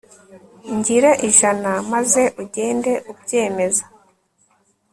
ngire ijana Maze ugende ubyemeza